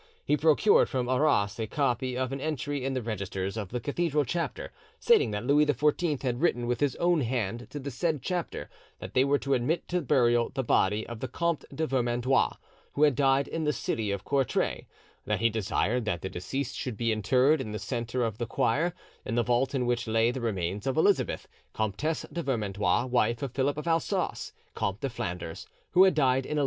He procured from Arras a copy of an entry in the registers of the Cathedral Chapter, stating that Louis XIV had written with his own hand to the said Chapter that they were to admit to burial the body of the Comte de Vermandois, who had died in the city of Courtrai; that he desired that the deceased should be interred in the centre of the choir, in the vault in which lay the remains of Elisabeth, Comtesse de Vermandois, wife of Philip of Alsace, Comte de Flanders, who had died in 1182.